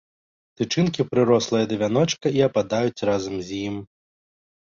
Тычынкі прырослыя да вяночка і ападаюць разам з ім.